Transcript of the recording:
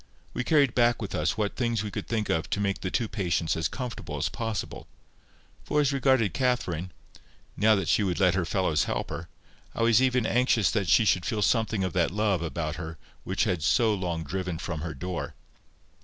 We carried back with us what things we could think of to make the two patients as comfortable as possible; for, as regarded Catherine, now that she would let her fellows help her, I was even anxious that she should feel something of that love about her which she had so long driven from her door.